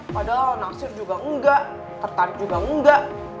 padahal nasir juga enggak tertarik juga enggak